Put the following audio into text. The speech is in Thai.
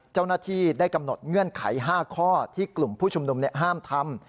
เจ้าหน้าที่ได้กำหนดเงื่อนไข๕ข้อที่กลุ่มผู้ชุมนุมห้ามทำ